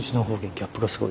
ギャップがすごい。